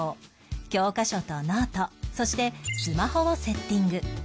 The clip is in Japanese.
教科書とノートそしてスマホをセッティング